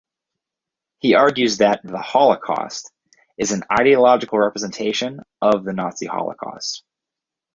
He argues that "'The Holocaust' is an ideological representation of the Nazi holocaust".